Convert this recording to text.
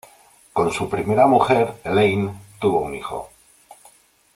Con su primera mujer, Elaine, tuvo un hijo.